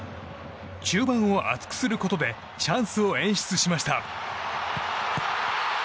中盤を厚くすることでチャンスを演出しました。